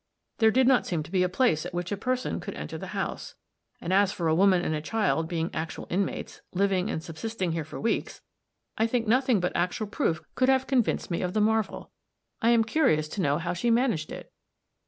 There did not seem to be a place at which a person could enter the house; and as for a woman and child being actual inmates, living and subsisting here for weeks I think nothing but actual proof could have convinced me of the marvel. I am curious to know how she managed it."